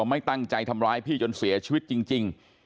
ไม่ตั้งใจทำร้ายพี่จนเสียชีวิตจริง